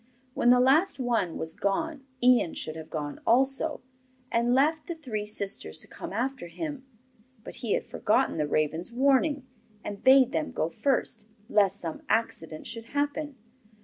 When the last one was gone, Ian should have gone also, and left the three sisters to come after him; but he had forgotten the raven's warning, and bade them go first, lest some accident should happen.